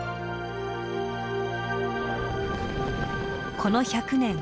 この１００年